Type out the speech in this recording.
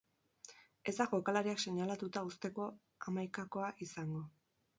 Ez da jokalariak seinalatuta uzteko hamaikakoa izango.